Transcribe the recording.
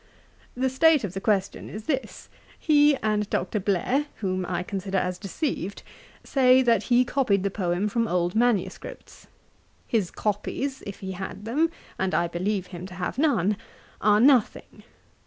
'The state of the question is this. He, and Dr. Blair, whom I consider as deceived, say, that he copied the poem from old manuscripts. His copies, if he had them, and I believe him to have none, are nothing.